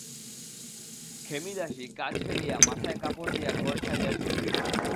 খেমি দাসি কাজ ফেলিয়া মাথায় কাপড় দিয়া ঘর ছাড়িয়া ছুট দিল।